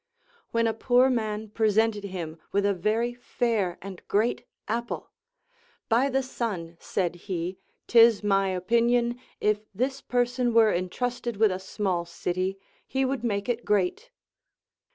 When a poor man presented him with a very fair and great apple. By the Sun, said he, 'tis my opinion, if this person \vere entrusted Λvith a small city, he would make it great.